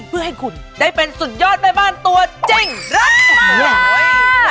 เพื่อให้คุณได้เป็นสุดยอดแม่บ้านตัวจริงรัก